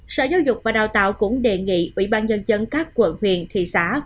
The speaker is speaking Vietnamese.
sở giáo dục và đào tạo cũng đề nghị ủy ban nhân dân các quận huyện thị xã